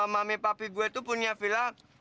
mami papi gue tuh punya villa